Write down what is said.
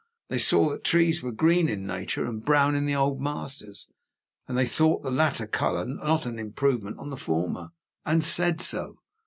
They saw that trees were green in nature, and brown in the Old Masters, and they thought the latter color not an improvement on the former and said so.